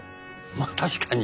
まあ確かに。